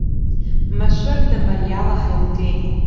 Машәырда, мариала ҳаилгеит.